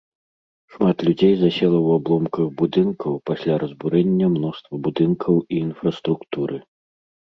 Шмат людзей засела ў абломках будынкаў, пасля разбурэння мноства будынкаў і інфраструктуры.